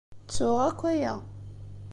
Ttuɣ akk aya.